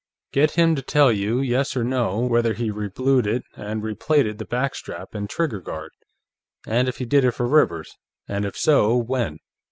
Get him to tell you, yes or no, whether he reblued it and replated the back strap and trigger guard, and if he did it for Rivers; and if so, when.